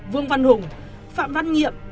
vương văn hùng phạm văn nhiệm